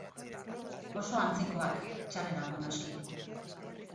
Oso antzekoak txarrerako, noski.